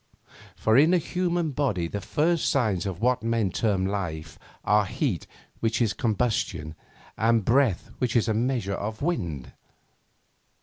For in a human body the first signs of what men term life are heat which is combustion, and breath which is a measure of wind.